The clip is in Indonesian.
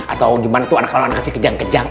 atau gimana itu anak anak kecil kejang kejang